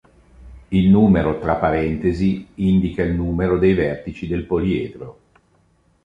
Il numero tra parentesi indica il numero dei vertici del poliedro.